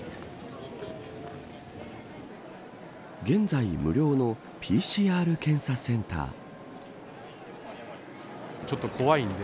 現在無料のＰＣＲ検査センター。